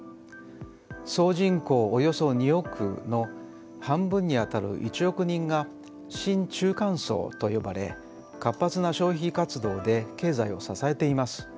総人口およそ２億の半分にあたる１億人が新中間層と呼ばれ活発な消費活動で経済を支えています。